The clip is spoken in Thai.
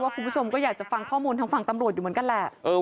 คุณผู้ชมก็อยากจะฟังข้อมูลทางฝั่งตำรวจอยู่เหมือนกันแหละ